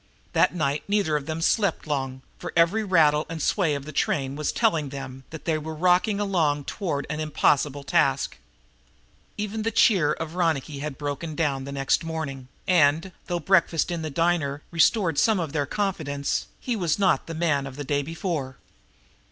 That night neither of them slept long, for every rattle and sway of the train was telling them that they were rocking along toward an impossible task. Even the cheer of Ronicky had broken down the next morning, and, though breakfast in the diner restored some of his confidence, he was not the man of the day before.